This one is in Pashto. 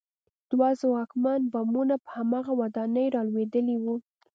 دوه ځواکمن بمونه په هماغه ودانۍ رالوېدلي وو